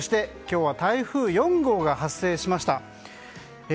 そして、今日は台風４号が発生しました。